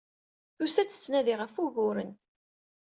Tusa-d, tettnadi ɣef wuguren.